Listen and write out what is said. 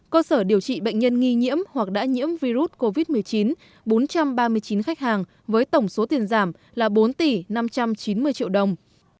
cơ sở điều trị bệnh nhân nghi nhiễm hoặc đã nhiễm virus covid một mươi chín bốn trăm ba mươi chín khách hàng với tổng số tiền giảm là bốn tỷ năm trăm chín mươi triệu đồng